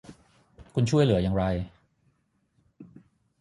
คุณช่วยเหลืออย่างไร